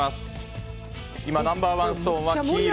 今、ナンバー１ストーンは黄色。